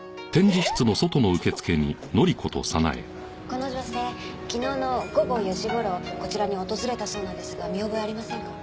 この女性昨日の午後４時頃こちらに訪れたそうなんですが見覚えありませんか？